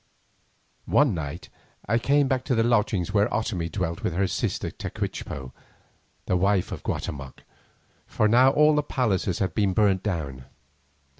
One night I came back to the lodging where Otomie dwelt with her royal sister Tecuichpo, the wife of Guatemoc, for now all the palaces had been burnt down.